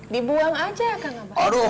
dibuang aja ya kak abah